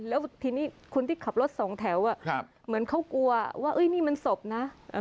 แล้วทีนี้คนที่ขับรถสองแถวเหมือนเขากลัวว่านี่มันศพนะ